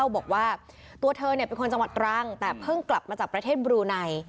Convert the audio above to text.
บอกว่าตัวเธอเป็นคนจังหวัดตรังแต่เพิ่งกลับมาจากประเทศบลูไน